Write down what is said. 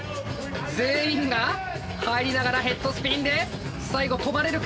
全員が入りながらヘッドスピンで最後止まれるか？